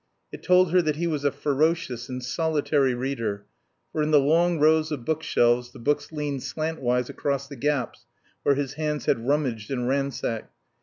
It told her that he was a ferocious and solitary reader; for in the long rows of book shelves the books leaned slantwise across the gaps where his hands had rummaged and ransacked.